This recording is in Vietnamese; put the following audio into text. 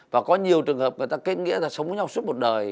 và có nhiều trường hợp người ta kết nghĩa là sống với nhau suốt một đời